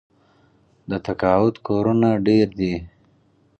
د تقاعد کورونه ډیر دي.